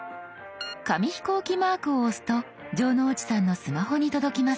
紙飛行機マークを押すと城之内さんのスマホに届きます。